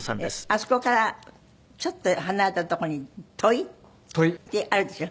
あそこからちょっと離れた所に土肥ってあるでしょ？